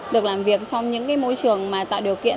được làm việc trong những môi trường mà tạo điều kiện